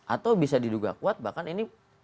atau bisa diduga kuat bahkan ini